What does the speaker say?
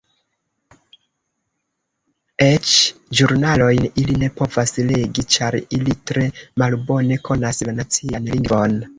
Eĉ ĵurnalojn ili ne povas legi ĉar ili tre malbone konas la nacian lingvon.